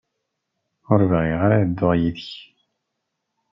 Ur bɣiɣ ara ad dduɣ yid-k.